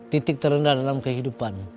titik terendah dalam kehidupan